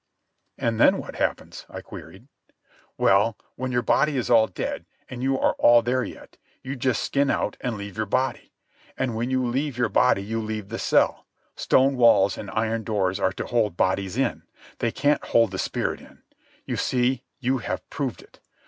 "And then what happens?" I queried. "Well, when your body is all dead, and you are all there yet, you just skin out and leave your body. And when you leave your body you leave the cell. Stone walls and iron doors are to hold bodies in. They can't hold the spirit in. You see, you have proved it.